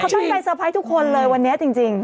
ตั้งใจเตอร์ไพรส์ทุกคนเลยวันนี้จริง